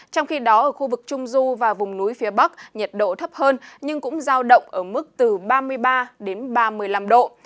trong khi đó ở khu vực trung du và vùng núi phía bắc nhiệt độ thấp hơn nhưng cũng giao động ở mức từ ba mươi ba đến ba mươi năm độ